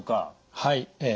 はい。